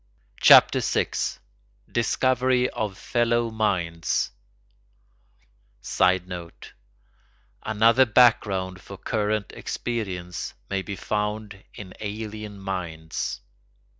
CHAPTER VI—DISCOVERY OF FELLOW MINDS [Sidenote: Another background for current experience may be found in alien minds.